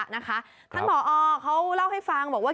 ท่านผอเขาเล่าให้ฟังบอกว่า